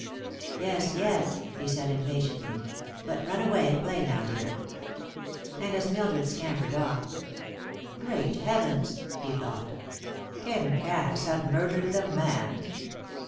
"Yes, yes," he said, impatiently; "but run away and play now, dear." And as Mildred scampered off "Great Heavens!" he thought. "Can Cass have murdered the man?